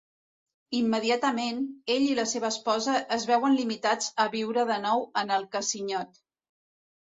Immediatament, ell i la seva esposa es veuen limitats a viure de nou en el casinyot.